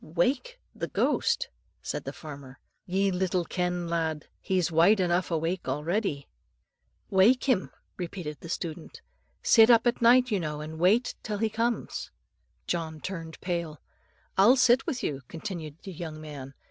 "Wake the ghost!" said the farmer, "ye little ken, lad. He's wide enough awake already." "Wake him," repeated the student; "sit up at night, you know, and wait till he comes." John turned pale. "I'll sit with you," continued the young man.